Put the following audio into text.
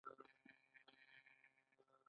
شبرغان ښار ګاز لري؟